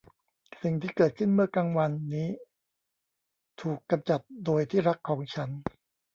สิ่งที่เกิดขึ้นเมื่อกลางวันนี้ถูกกำจัดโดยที่รักของฉัน